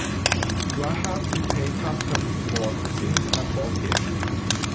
Do I have to pay customs for the things I’ve bought here?